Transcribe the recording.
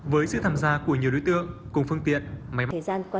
với sự tham gia của nhiều đối tượng cùng phương tiện máy bay gian